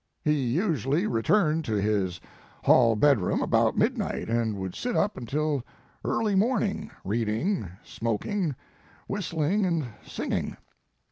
He usually returned to his *hall bedroom about midnight and would sit up until nearly morning, read ing, smoking, whistling and singing.